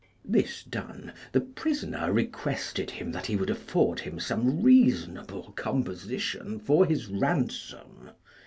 This done, the prisoner requested him that he would afford him some reasonable composition for his ransom.